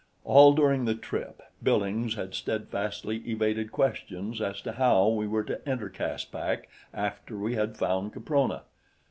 All during the trip Billings had steadfastly evaded questions as to how we were to enter Caspak after we had found Caprona.